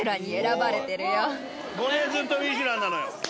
５年ずっとミシュランなのよ。